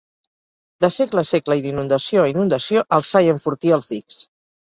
De segle a segle i d'inundació a inundació alçar i enfortir els dics.